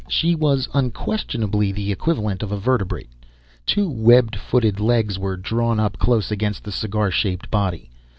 She was unquestionably the equivalent of a vertebrate. Two web footed legs were drawn up close against the cigar shaped body.